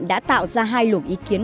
đã tạo ra hai lũ ý kiến